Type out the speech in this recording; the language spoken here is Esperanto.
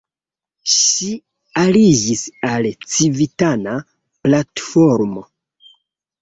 Ŝi aliĝis al Civitana Platformo.